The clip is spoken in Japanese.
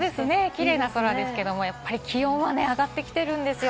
キレイな空ですが、やっぱり気温は上がってきているんです。